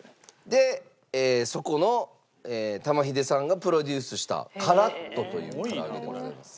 でそこの玉ひでさんがプロデュースしたからっ鳥という唐揚げでございます。